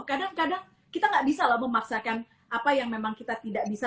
kadang kadang kita gak bisa lah memaksakan apa yang memang kita tidak bisa